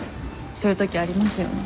そういう時ありますよね。